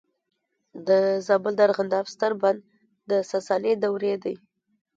د زابل د ارغنداب ستر بند د ساساني دورې دی